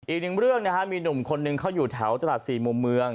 อีกหนึ่งเรื่องนะฮะมีหนุ่มคนนึงเขาอยู่แถวตลาด๔มุมเมือง